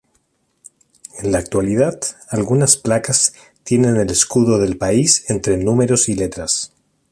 En la actualidad, algunas placas tienen el escudo del país entre números y letras.